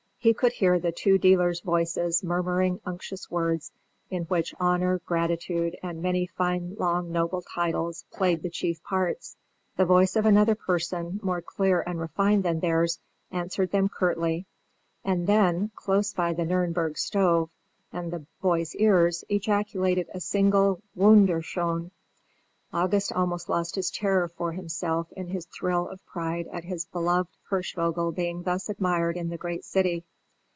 He could hear the two dealers' voices murmuring unctuous words, in which "honour," "gratitude," and many fine long noble titles played the chief parts. The voice of another person, more clear and refined than theirs, answered them curtly, and then, close by the Nürnberg stove and the boy's ear, ejaculated a single "Wunderschön!" August almost lost his terror for himself in his thrill of pride at his beloved Hirschvogel being thus admired in the great city.